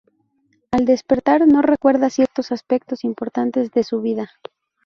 Al despertar, no recuerda ciertos aspectos importantes de su vida.